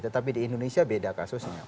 tetapi di indonesia beda kasusnya